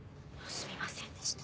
すみませんでした。